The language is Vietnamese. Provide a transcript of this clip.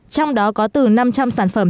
trong đó có từ năm trăm linh sản phẩm